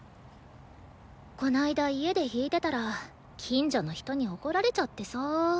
この間家で弾いてたら近所の人に怒られちゃってさ。